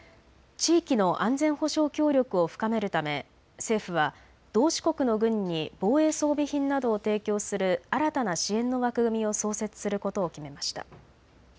地域の安全保障協力を深めるため政府は同志国の軍に防衛装備品などを提供する新たな支援の枠組みを創設することを決めました。